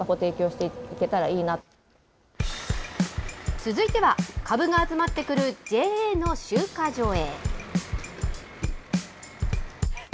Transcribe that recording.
続いてはかぶが集まってくるＪＡの集荷所へ。